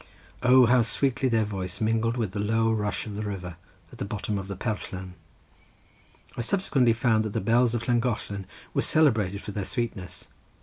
O, how sweetly their voice mingled with the low rush of the river, at the bottom of the perllan. I subsequently found that the bells of Llangollen were celebrated for their sweetness.